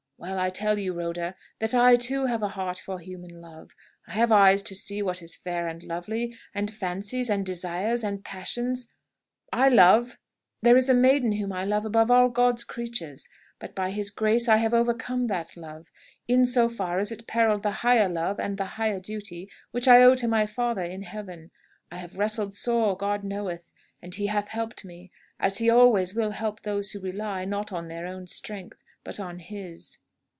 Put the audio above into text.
Well I tell you, Rhoda, that I too have a heart for human love. I have eyes to see what is fair and lovely; and fancies and desires, and passions. I love there is a maiden whom I love above all God's creatures. But, by His grace, I have overcome that love, in so far as it perilled the higher love and the higher duty, which I owe to my father in Heaven. I have wrestled sore, God knoweth. And He hath helped me, as He always will help those who rely, not on their own strength, but on His!"